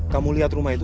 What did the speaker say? kamu lihat rumah itu